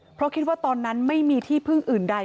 เพราะคิดว่าตอนนั้นไม่มีที่พึ่งอื่นใด